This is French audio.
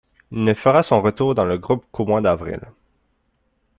Il ne fera son retour dans le groupe qu'au mois d'avril.